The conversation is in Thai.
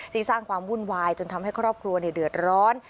สร้างความวุ่นวายจนทำให้ครอบครัวเดือดร้อน